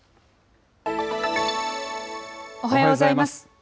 おはようございます。